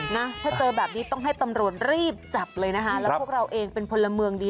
นะถ้าเจอแบบนี้ต้องให้ตำรวจรีบจับเลยนะคะแล้วพวกเราเองเป็นพลเมืองดี